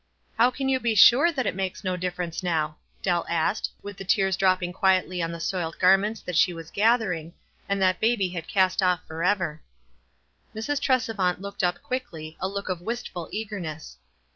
"How can you be sure that it makes no dif ference now?" Dell asked, with the tears drop ping quietly on the soiled garments that she was gathering, and that baby had cast off forever. Mrs. Trescvant looked up quickly, a look of wistful eagerness.